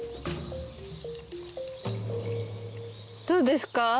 どうですか？